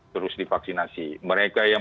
terus divaksinasi mereka yang